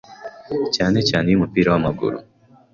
cyane cyane iy’mupira w’amaguru,